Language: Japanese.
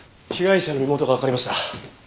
被害者の身元がわかりました。